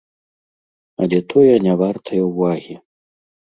Але тое не вартае ўвагі.